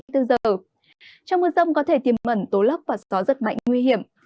trong mưa sông có thể tiềm mẩn tố lấp và gió rất mạnh nguy hiểm